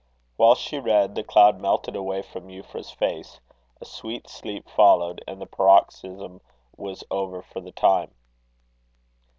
While she read, the cloud melted away from Euphra's face; a sweet sleep followed; and the paroxysm was over for the time.